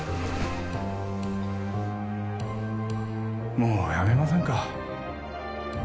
もうやめませんか